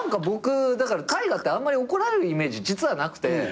僕太賀ってあんまり怒られるイメージ実はなくて。